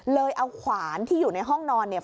เลยเอาขวานที่อยู่ในห้องนอนเนี่ย